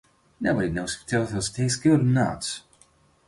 Nobody knows if turtles taste good or not.